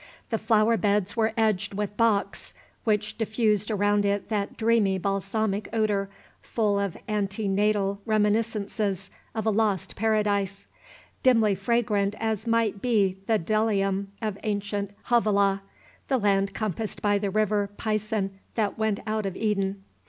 The flower beds were edged with box, which diffused around it that dreamy balsamic odor, full of ante natal reminiscences of a lost Paradise, dimly fragrant as might be the bdellium of ancient Havilah, the land compassed by the river Pison that went out of Eden.